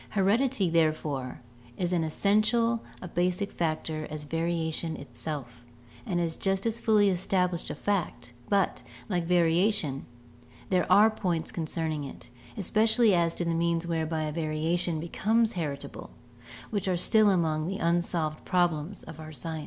Heredity, therefore, is as essential a basic factor as variation itself, and is just as fully established a fact; but, like variation, there are points concerning it, especially as to the means whereby a variation becomes heritable, which are still among the unsolved problems of our science.